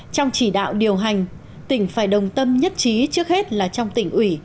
trong chỉ đạo điều hành tỉnh phải đồng tâm nhất trí trước hết là trong tỉnh ủy